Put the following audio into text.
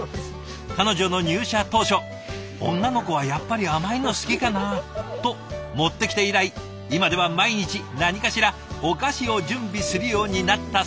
彼女の入社当初「女の子はやっぱり甘いの好きかな」と持ってきて以来今では毎日何かしらお菓子を準備するようになったそうです。